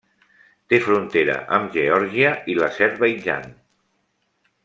Té frontera amb Geòrgia i l'Azerbaidjan.